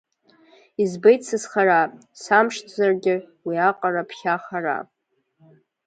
Избеит сызхара, самшьҭзаргьы уиаҟра ԥхьа хара…